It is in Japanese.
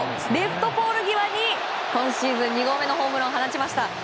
レフトポール際に今シーズン２合目のホームランを放ちました。